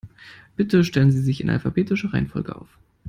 Bitte stellen Sie sich in alphabetischer Reihenfolge auf.